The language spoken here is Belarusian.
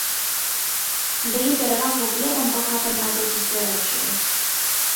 Аддае перавагу глебам, багатым на азоцістыя рэчывы.